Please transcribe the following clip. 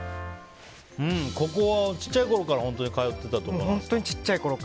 ここは小さいころから本当に通っていたところなんですか。